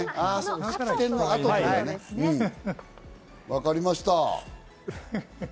分かりました。